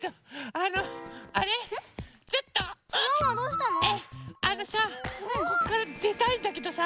あのさここからでたいんだけどさ